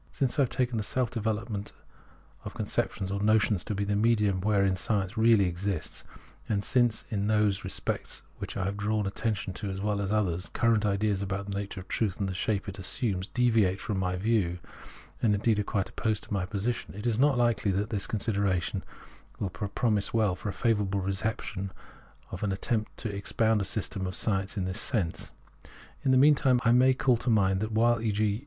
Since I have taken the self development of conceptions or notions to be the medium wherein science really exists, and since in those respects to which I have drawn attention as well as in others, current ideas about the nature of truth and the shape it assumes deviate from my view, and indeed are quite opposed to my position, it is not hkely that the consideration of all this will pro mise well for a favourable reception of an attempt to ex pound the system of science in this sense. In the mean time, I may call to mind that while e.g.